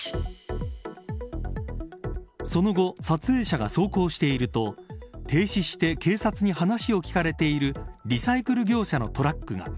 その後、撮影者が走行していると停止して警察に話を聞かれているリサイクル業者のトラックが。